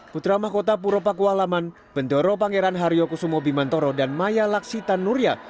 putra mahkota puro pakualaman bendoro pangeran haryo kusumo bimantoro dan maya laksitan nuria